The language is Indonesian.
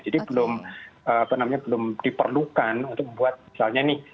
jadi belum apa namanya belum diperlukan untuk membuat misalnya nih